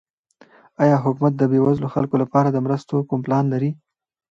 آیا حکومت د بېوزلو خلکو لپاره د مرستو کوم پلان لري؟